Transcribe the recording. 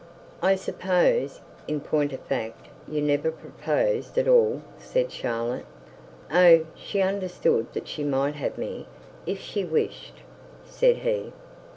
'I suppose, in point of fact, you never proposed at all?' said Charlotte. 'Oh, she understood that she might have me if she wished,' said he.